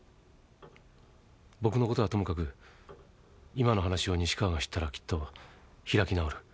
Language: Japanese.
僕の事はともかく今の話を西川が知ったらきっと開き直る。